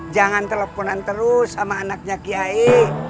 jangan teleponan terus sama anaknya kiai